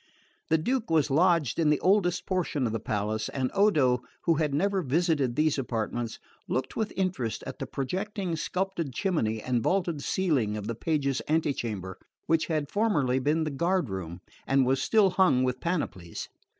The Duke was lodged in the oldest portion of the palace, and Odo, who had never visited these apartments, looked with interest at the projecting sculptured chimney and vaulted ceiling of the pages' ante chamber, which had formerly been the guardroom and was still hung with panoplies.